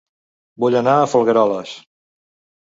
Vull anar a Folgueroles